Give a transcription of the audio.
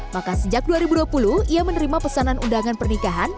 maka sejak dua ribu dua puluh ia menerima pesanan undangan pernikahan